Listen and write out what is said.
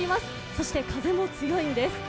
そして風も強いんです。